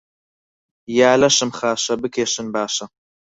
یا لەشم خاشە بکێشن باشە